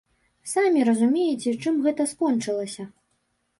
Самі разумееце, чым гэта скончылася.